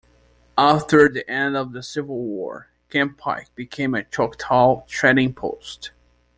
After the end of the Civil War, Camp Pike became a Choctaw trading post.